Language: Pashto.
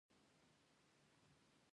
هر کار په بسم الله پیل کړئ.